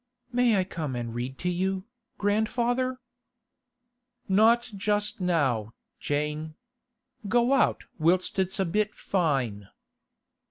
'May I come and read to you, grandfather?' 'Not just now, Jane. Go out whilst it's a bit fine.